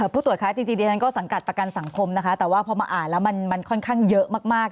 ผู้ตรวจคะจริงดิฉันก็สังกัดประกันสังคมนะคะแต่ว่าพอมาอ่านแล้วมันค่อนข้างเยอะมาก